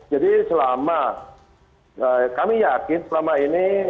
jadi selama kami yakin selama ini